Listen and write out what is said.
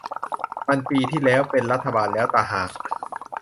มันปีที่แล้ว เป็นรัฐบาลแล้วตะหาก